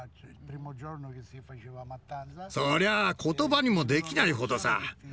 そりゃあ言葉にもできないほどさ。